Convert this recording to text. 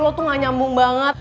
lo tuh gak nyambung banget